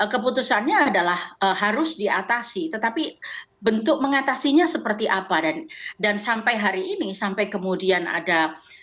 keputusannya adalah harus diatasi tetapi bentuk mengatasinya seperti apa dan dan sampai hari ini sampai kemudian ada